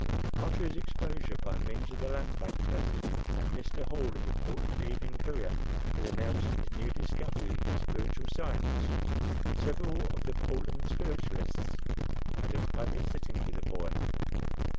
After his exposure by means of the lamp black test, and Mr. Hall, of the "Portland Evening Courier," had announced his new discovery in spiritual science, several of the Portland spiritualists had a private "sitting" with the boy.